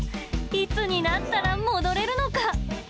いつになったら戻れるのか。